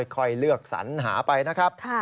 ค่อยเลือกสัญหาไปนะครับ